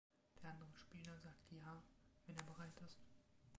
Der andere Spieler sagt „Ja“, wenn er bereit ist.